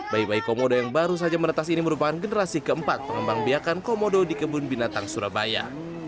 bayi bayi komodo yang baru saja menetas ini merupakan generasi keempat pengembang biakan komodo di kebun binatang surabaya